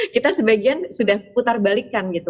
kita sebagian sudah putar balikan gitu